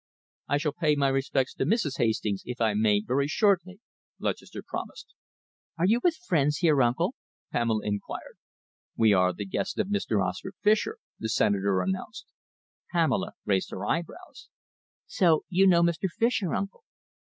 "I shall pay my respects to Mrs. Hastings, if I may, very shortly," Lutchester promised. "Are you with friends here, uncle?" Pamela inquired. "We are the guests of Mr. Oscar Fischer," the Senator announced. Pamela raised her eyebrows. "So you know Mr. Fischer, uncle?"